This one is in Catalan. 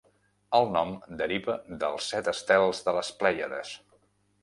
El nom deriva del set estels de les Plèiades.